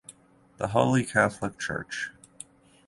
the holy catholic Church